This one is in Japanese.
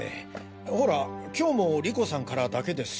ほら今日も莉子さんからだけですし。